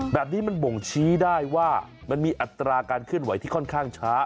แบบนี้มันบ่งชี้ได้ว่ามันมีอัตราการเคลื่อนไหวที่ค่อนข้างช้า